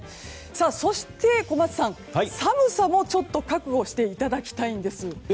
そして小松さん、寒さも覚悟していただきたいんです。